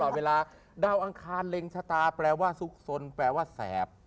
เวลาดาวอังคารเล็งชะตาแปลว่าสุขสนแปลว่าแสบ